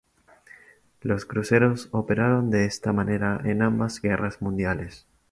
Los cruceros operaron de esta manera en ambas Guerras Mundiales.